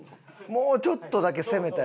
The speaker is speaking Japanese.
もうちょっとだけ攻めたやつで。